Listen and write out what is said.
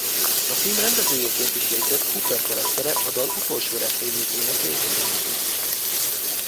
A film rendezőjeként is jegyzett Cooper karaktere a dal utolsó refrénjét énekli egy visszatekintésben.